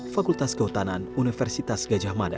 fakultas kehutanan universitas gajah mada